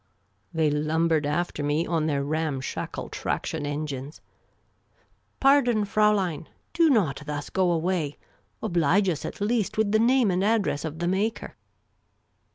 They lumbered after me on their ramshackle traction engines. " Pardon, Fraulein ! Do not thus go away ! Oblige us at least with the name and address of the maker."